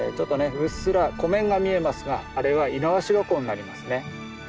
うっすら湖面が見えますがあれは猪苗代湖になりますね。